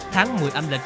tháng một mươi âm lịch